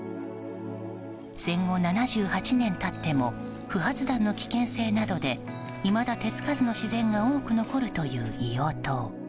戦後７８年経っても不発弾の危険性などでいまだ手つかずの自然が多く残るという硫黄島。